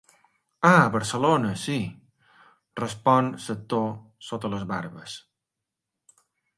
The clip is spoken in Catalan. Ah, Barcelona, sí —respon l'actor sota les barbes—.